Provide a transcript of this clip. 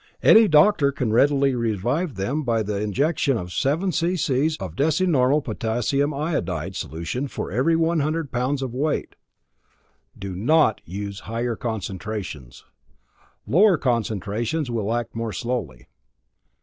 Any doctor can readily revive them by the injection of seven c.c. of decinormal potassium iodide solution for every 100 pounds of weight. Do NOT use higher concentrations. Lower concentrations will act more slowly.